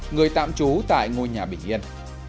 người tạm trú tại ngôi nhà bình yên